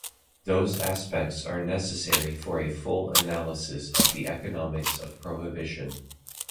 Those aspects are necessary for a full analysis of the economics of prohibition.